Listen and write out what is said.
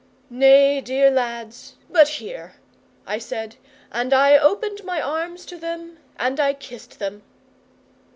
'"Nay, dear lads but here!" I said, and I opened my arms to them and I kissed them.